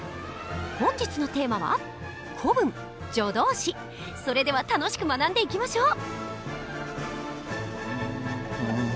本日のテーマはそれでは楽しく学んでいきましょう。